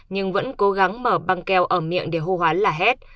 nhưng vẫn cố gắng mở băng keo ở miệng để hô hoán là hết